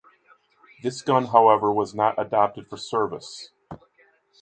This gun however was not adopted for service.